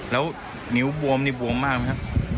แล้วนิ้วบวมนี่บวมมากไหมครับ